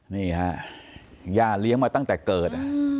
นี่ฮะย่าเลี้ยงมาตั้งแต่เกิด